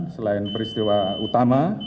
selain peristiwa utama